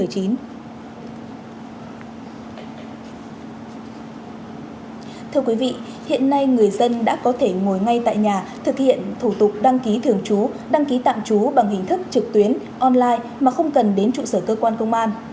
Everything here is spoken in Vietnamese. thưa quý vị hiện nay người dân đã có thể ngồi ngay tại nhà thực hiện thủ tục đăng ký thường trú đăng ký tạm trú bằng hình thức trực tuyến online mà không cần đến trụ sở cơ quan công an